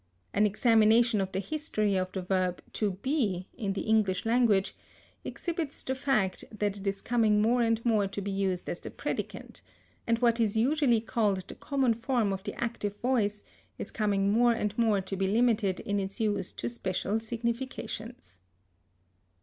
An examination of the history of the verb to be in the English language exhibits the fact that it is coming more and more to be used as the predicant; and what is usually called the common form of the active voice is coming more and more to be limited in its use to special significations.